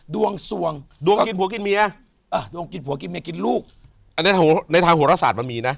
ดวงส่วงดวงกินผัวกินเมียดวงกินผัวกินเมียกินลูกอันนี้ในทางหัวรศาสตร์มันมีนะ